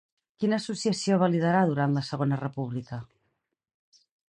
Quina associació va liderar durant la Segona República?